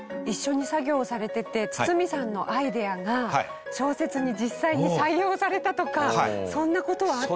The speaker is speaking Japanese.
一緒に作業されてて堤さんのアイデアが小説に実際に採用されたとかそんな事は。